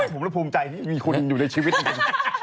ผมไม่ภูมิใจที่มีคุณอยู่ในชีวิตที่นี้